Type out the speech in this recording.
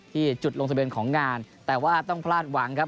ที่จุดลงทะเบียนของงานแต่ว่าต้องพลาดหวังครับ